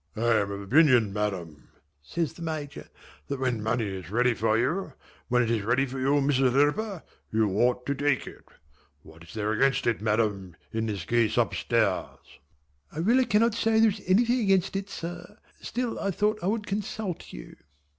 "I am of opinion, Madam," says the Major, "that when money is ready for you when it is ready for you, Mrs. Lirriper you ought to take it. What is there against it, Madam, in this case up stairs?" "I really cannot say there is anything against it, sir, still I thought I would consult you."